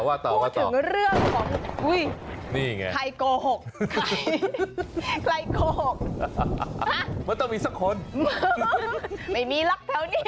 อ้าวคุณผู้หญิง